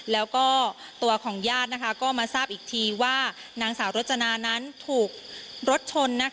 แล้วก็ตัวของญาติก็มาทราบอีกทีว่านางสาวรจนานั้นถูกรถชน